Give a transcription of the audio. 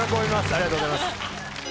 ありがとうございます！